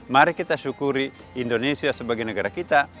mari kita syukuri indonesia sebagai negara kita